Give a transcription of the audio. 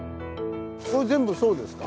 これ全部そうですか？